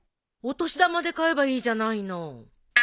お年玉で買えばいいじゃないの。